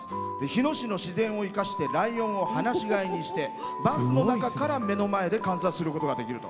日野市の自然を生かしてライオンを放し飼いにしてバスの中から目の前で観察することができます。